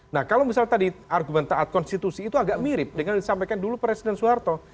nah kalau misalnya tadi argumen taat konstitusi itu agak mirip dengan disampaikan dulu presiden soeharto